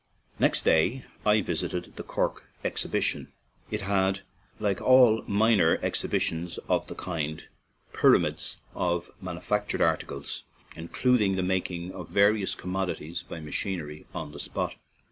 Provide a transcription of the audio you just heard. Next day I visited the Cork Exhibi tion. It had, like all minor exhibitions of the kind, pyramids of manufactured articles, including the making of various commodities by machinery on the spot.